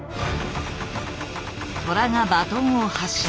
トラがバトンを発射。